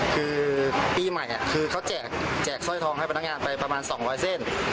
คือปีใหม่อ่ะคือเขาแจกแจกซ่อยทองให้พนักงานไปประมาณสองร้อยเส้น